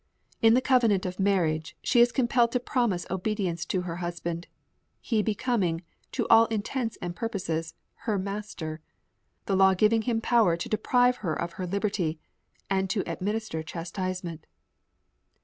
In the covenant of marriage, she is compelled to promise obedience to her husband, he becoming, to all intents and purposes, her master the law giving him power to deprive her of her liberty, and to administer chastisement.